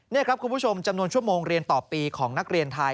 นี่ครับคุณผู้ชมจำนวนชั่วโมงเรียนต่อปีของนักเรียนไทย